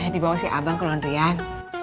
di bawah si abang ke londrian